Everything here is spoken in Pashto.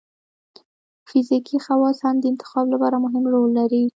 فزیکي خواص هم د انتخاب لپاره مهم رول لري.